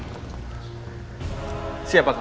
dari di tempat pace